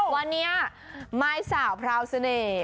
วันนี้มายสาวพราวเสน่ห์